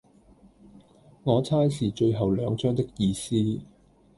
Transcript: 我猜是最後兩張的意思